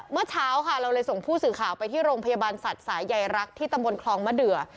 เมื่อเช้าค่ะเราเลยส่งผู้สื่อข่าวไปที่โรงพยาบาลสัตว์สายใยรักที่ตำบลคลองมะเดือ